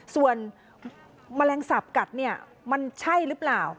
ส่วนแมลงสาปกัดเนี่ยมันใช่หรือเปล่า